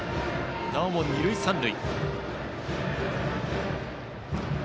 なおも二塁三塁。